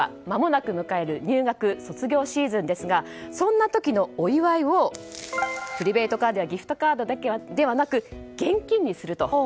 まもなく迎える入学・卒業シーズンですがそんな時のお祝いをプリペイドカードやギフトカードではなく現金にすると。